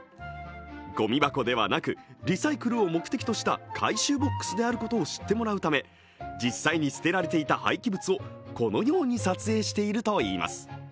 ごみ箱ではなく、リサイクルを目的とした回収ボックスであることを知ってもらうため実際に捨てられていた廃棄物をこのように撮影しているといいます。